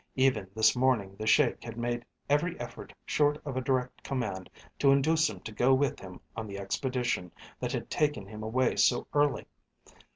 Even this morning the Sheik had made every effort short of a direct command to induce him to go with him on the expedition that had taken him away so early.